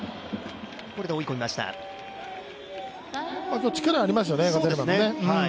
今日、力ありますよね、ガゼルマンも。